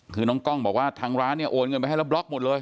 คือน้องกล้องบอกว่าทางร้านเนี่ยโอนเงินไปให้แล้วบล็อกหมดเลย